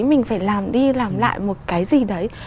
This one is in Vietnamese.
mình phải làm đi làm lại một cái gì đấy